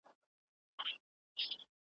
د ښووني پوهنځۍ په پټه نه بدلیږي.